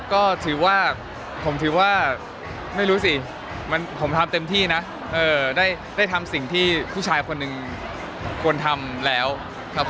ก็ถือว่าผมถือว่าไม่รู้สิผมทำเต็มที่นะได้ทำสิ่งที่ผู้ชายคนหนึ่งควรทำแล้วครับ